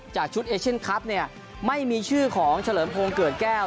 จากชุดเอเชนท์คลับไม่มีชื่อของเฉลิมพงษ์เกิดแก้ว